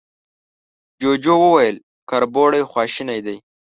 جوجو وويل، کربوړی خواشينی دی.